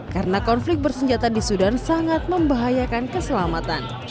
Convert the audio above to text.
karena konflik bersenjata di sudan sangat membahayakan keselamatan